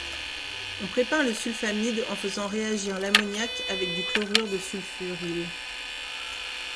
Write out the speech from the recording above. On prépare le sulfamide en faisant réagir de l'ammoniac avec du chlorure de sulfuryle.